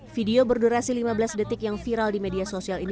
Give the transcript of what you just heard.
video berdurasi lima belas detik yang viral di media sosial ini